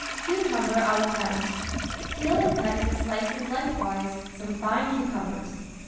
CUCUMBER A LA CREME Peel and cut into slices lengthwise some fine cucumbers.